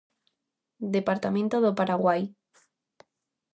Departamento do Paraguai.